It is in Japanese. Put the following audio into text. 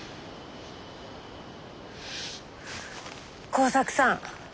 耕作さん